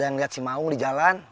ada yang liat si maung di jalan